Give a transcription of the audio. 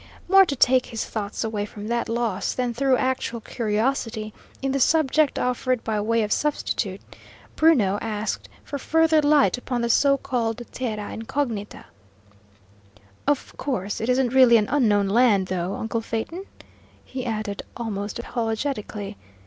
More to take his thoughts away from that loss than through actual curiosity in the subject offered by way of substitute, Bruno asked for further light upon the so called terra incognita. "Of course it isn't really an unknown land, though, uncle Phaeton?" he added, almost apologetically.